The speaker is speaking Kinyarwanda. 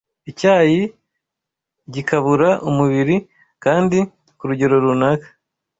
Icyayi gikabura umubiri kandi, ku rugero runaka